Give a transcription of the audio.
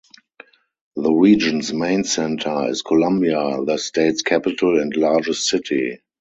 The region's main center is Columbia, the state's capital and largest city.